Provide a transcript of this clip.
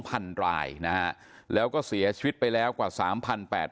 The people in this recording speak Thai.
พันรายนะฮะแล้วก็เสียชีวิตไปแล้วกว่าสามพันแปด